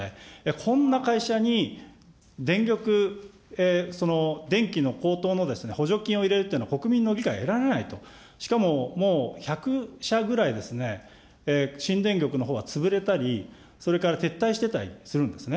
こんな会社に電力、電気の高騰の補助金を入れるというのは、国民の理解を得られないと、しかももう１００社ぐらいですね、新電力のほうは、潰れたり、それから撤退してたりするんですね。